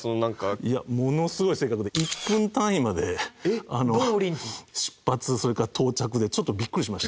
いやものすごい正確で１分単位まで出発それから到着でちょっとビックリしましたね。